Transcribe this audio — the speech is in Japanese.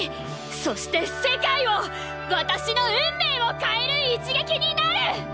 そして世界を私の運命を変える一撃になる！